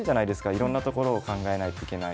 いろんなところを考えないといけないですし。